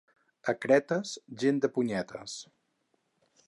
A Cretes, gent de punyetes.